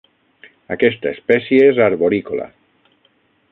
Aquesta espècie és arborícola.